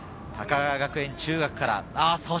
高川学園中学から。